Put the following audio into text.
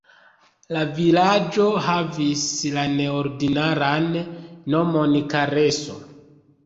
La vilaĝo havis la neordinaran nomon Kareso.